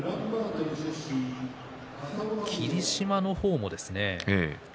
霧島の方もですね